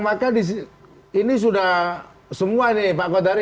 maka ini sudah semua nih pak kodari